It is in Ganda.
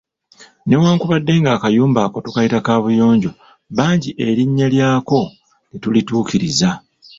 Newankubadde ng'akayumba ako tukayita kaabuyonjo, bangi erinnya lyako tetulituukiriza.